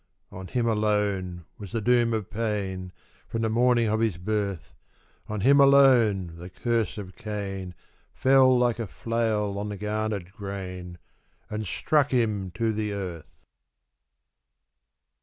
On him alone was the doom of pain, From the morning of his birth; On him alone the curse of Cain Fell, like a flail on the garnered grain, And struck him to the earth!